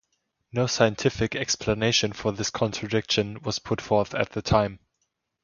No scientific explanation for this contradiction was put forth at the time.